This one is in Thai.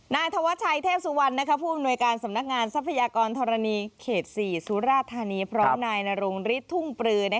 นายธวัชชัยเทพสุวรรณผู้อำนวยการสำนักงานทรัพยากรธรณีเขต๔สุราธานีพร้อมนายนรงฤทธิทุ่งปลือ